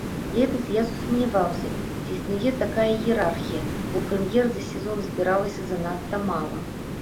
Летась я засумняваўся, ці існуе такая іерархія, бо прэм'ер за сезон збіралася занадта мала.